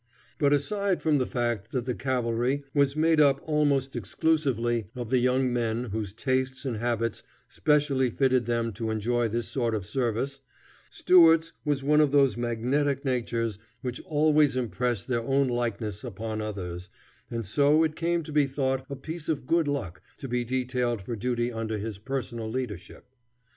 But aside from the fact that the cavalry was made up almost exclusively of the young men whose tastes and habits specially fitted them to enjoy this sort of service, Stuart's was one of those magnetic natures which always impress their own likeness upon others, and so it came to be thought a piece of good luck to be detailed for duty under his personal leadership.